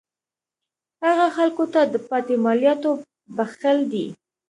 هغه خلکو ته د پاتې مالیاتو بخښل دي.